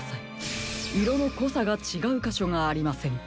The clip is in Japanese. いろのこさがちがうかしょがありませんか？